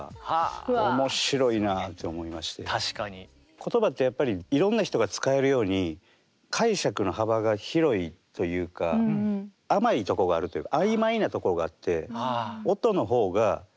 言葉ってやっぱりいろんな人が使えるように解釈の幅が広いというか甘いとこがあるというか曖昧なところがあって。